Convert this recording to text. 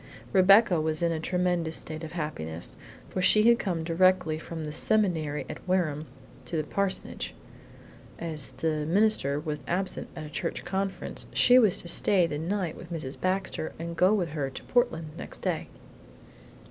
Rebecca was in a tremulous state of happiness, for she had come directly from the Seminary at Wareham to the parsonage, and as the minister was absent at a church conference, she was to stay the night with Mrs. Baxter and go with her to Portland next day.